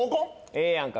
ええやんか